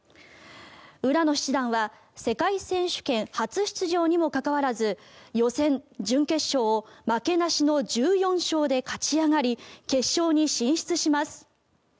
浦野七段は世界選手権初出場にもかかわらず予選、準決勝を負けなしの１４勝で勝ち上がり決勝に進出します。